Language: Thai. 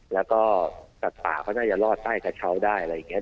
แล้วก็สัตว์ป่าเขาน่าจะรอดใต้กระเช้าได้อะไรอย่างนี้